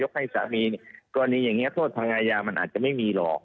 ให้สามีเนี่ยกรณีอย่างนี้โทษทางอาญามันอาจจะไม่มีหรอก